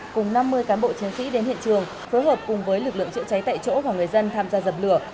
cùng năm mươi cán bộ chiến sĩ đến hiện trường phối hợp cùng với lực lượng chữa cháy tại chỗ và người dân tham gia dập lửa